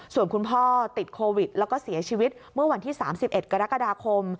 ส่วนคุณพ่อติดโควิดแล้วก็เสียชีวิตเมื่อวันที่๓๑กรกฎาคม